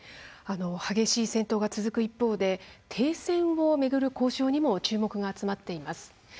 激しい戦闘が続く一方で停戦を巡る交渉にも注目が集まっています。